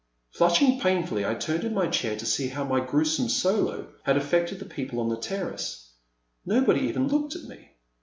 Flushing painfully, I turned in my chair to see how my gruesome solo had affected the people on the terrace. Nobody even looked at me.